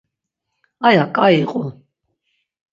Aya ǩai iqu.